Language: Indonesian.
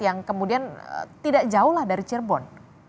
yang kemudian tidak jauh lah dari cirebon